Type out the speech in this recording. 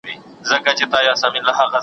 خبردار چي نوم د قتل څوك ياد نه كړي .